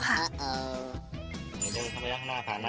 รถเข้ามานักฐาน๐๖๑อ่ะ